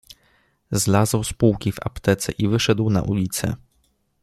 Zlazł z półki w aptece i wyszedł na ulicę.